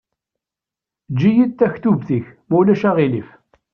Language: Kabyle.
Eǧǧ-iyi-d taktubt-ik ma ulac aɣilif.